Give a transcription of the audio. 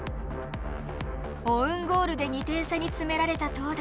オウンゴールで２点差に詰められた東大。